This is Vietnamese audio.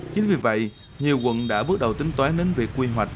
chính vì vậy nhiều quận đã bước đầu tính toán đến việc quy hoạch